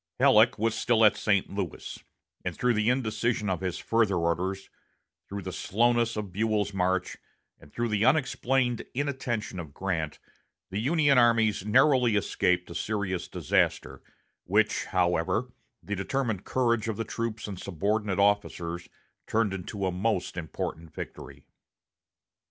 Halleck was still at St. Louis; and through the indecision of his further orders, through the slowness of Buell's march, and through the unexplained inattention of Grant, the Union armies narrowly escaped a serious disaster, which, however, the determined courage of the troops and subordinate officers turned into a most important victory.